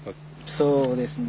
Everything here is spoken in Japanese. そうですね。